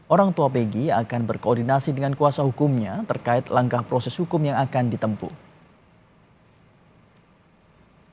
orang tua begi akan berkoordinasi dengan kuasa hukumnya terkait langkah proses hukum yang akan ditempuh